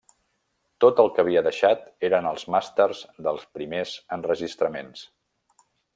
Tot el que havia deixat eren els màsters dels primers enregistraments.